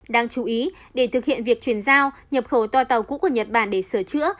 đáng chú ý để thực hiện việc chuyển giao nhập khẩu toa tàu cũ của nhật bản để sửa chữa